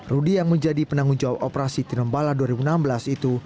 rudy yang menjadi penanggung jawab operasi tinombala dua ribu enam belas itu